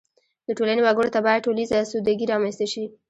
د ټولنې وګړو ته باید ټولیزه اسودګي رامنځته شي.